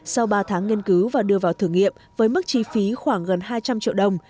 sau ba tháng nghiên cứu và đưa vào thử nghiệm với mức chi phí khoảng gần hai trăm linh triệu đồng